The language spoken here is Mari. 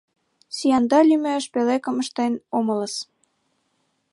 Сӱанда лӱмеш пӧлекым ыштен омылыс.